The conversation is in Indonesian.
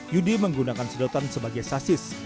yudi menggunakan sedotan sebagai sasis